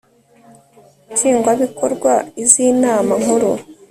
Nshingwabikorwa iz Inama nkuru